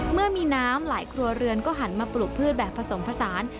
เมื่อมีน้ำหลายครัวเรือนก็หันมาปลูกพืชแบบผสมผสาน